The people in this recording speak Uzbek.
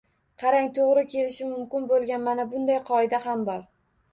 Qarang, to‘g‘ri kelishi mumkin bo‘lgan mana bunday qoida ham bor: